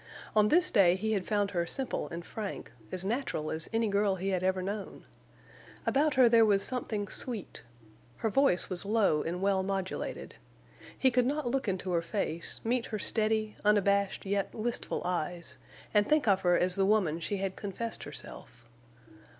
On this day he had found her simple and frank, as natural as any girl he had ever known. About her there was something sweet. Her voice was low and well modulated. He could not look into her face, meet her steady, unabashed, yet wistful eyes, and think of her as the woman she had confessed herself.